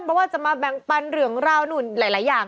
เพราะว่าจะมาแบ่งปันเรื่องราวนู่นหลายอย่าง